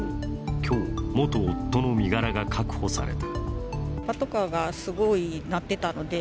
今日、元夫の身柄が確保された。